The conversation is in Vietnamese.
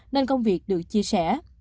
nên công việc được chia sẻ